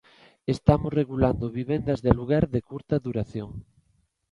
Estamos regulando vivendas de aluguer de curta duración.